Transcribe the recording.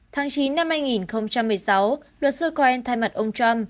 tháng chín năm hai nghìn một mươi sáu luật sư cohen thay mặt ông trump